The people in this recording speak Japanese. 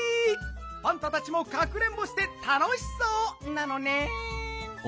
パンタたちもかくれんぼしてたのしそうなのねん！